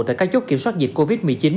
tại các chốt kiểm soát dịch covid một mươi chín